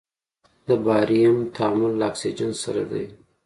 د باریم تعامل له اکسیجن سره دی.